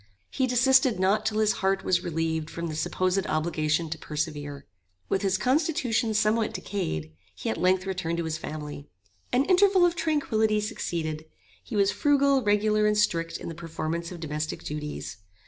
He desisted not till his heart was relieved from the supposed obligation to persevere. With his constitution somewhat decayed, he at length returned to his family. An interval of tranquillity succeeded. He was frugal, regular, and strict in the performance of domestic duties.